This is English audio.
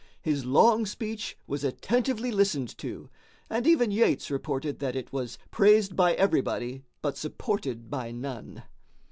His long speech was attentively listened to, and even Yates reported that it "was praised by everybody, but supported by none."